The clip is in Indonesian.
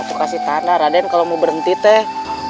itu kasih tanda raden kalau mau berhenti teh